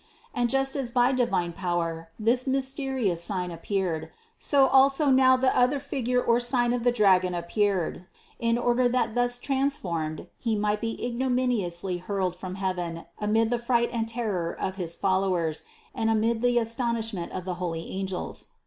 And just as by divine power this mysterious sign appeared, so also now the other figure or sign of the dragon appeared, in order that thus transformed he might be ignominiously hurled from heaven amid the fright and terror of his follow ers and amid the astonishment of the holy angels.